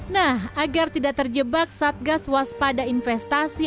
nah agar tidak terjebak saat gas waspada investasi